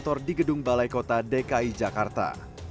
kantor di gedung balai kota dki jakarta